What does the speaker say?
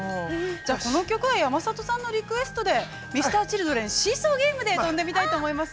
◆じゃあこの曲は山里さんリクエストでＭｒ．Ｃｈｉｌｄｒｅｎの「シーソーゲーム」で跳んでみたいと思います。